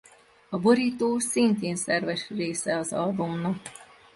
A borító szintén szerves része az albumnak.